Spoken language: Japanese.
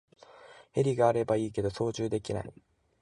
ヘリがあればいいけど操縦できない